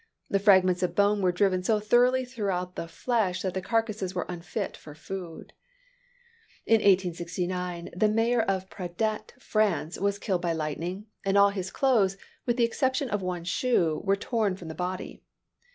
The fragments of bone were driven so thoroughly throughout the flesh that the carcasses were unfit for food. In 1869, the mayor of Pradette, France, was killed by lightning, and all his clothes, with the exception of one shoe, were torn from the body.